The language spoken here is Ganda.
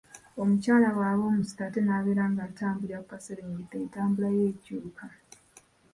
Omukyala bw’aba omuzito ate n’abeera ng’atambulira ku kaserengeto, entambula ye ekyuka.